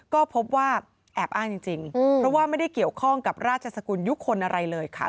ก็พบว่าแอบอ้างจริงเพราะว่าไม่ได้เกี่ยวข้องกับราชสกุลยุคคลอะไรเลยค่ะ